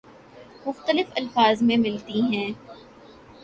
مختلف الفاظ میں ملتی ہے